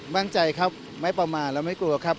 มั่นใจครับไม่ประมาณแล้วไม่กลัวครับ